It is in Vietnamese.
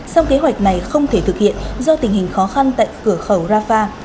song kế hoạch này không thể thực hiện do tình hình khó khăn tại cửa khẩu rafah